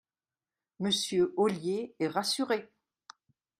Monsieur Ollier est rassuré